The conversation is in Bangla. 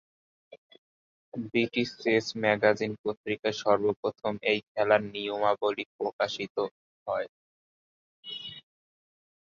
ব্রিটিশ চেস ম্যাগাজিন পত্রিকায় সর্বপ্রথম এই খেলার নিয়মাবলী প্রকাশিত থয়।